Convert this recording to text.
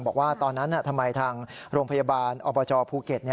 บอกว่าตอนนั้นทำไมทางโรงพยาบาลอบจภูเก็ต